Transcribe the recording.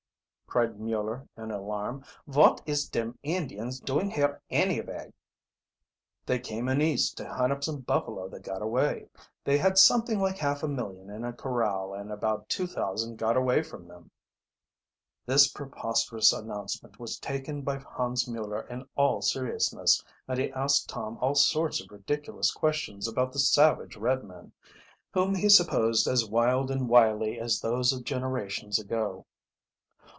cried Mueller in alarm. "Vot is dem Indians doing here annavay?" "They came in East to hunt up some buffalo that got away. They had something like half a million in a corral, and about two thousand got away from them." This preposterous announcement was taken by Hans Mueller in all seriousness, and he asked Tom all sorts of ridiculous questions about the savage red men, whom he supposed as wild and wily as those of generations ago.